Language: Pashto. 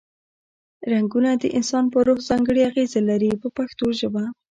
رنګونه د انسان په روح ځانګړې اغیزې لري په پښتو ژبه.